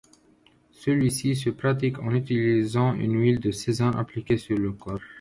Celui-ci se pratique en utilisant une huile de sésame appliquée sur le corps.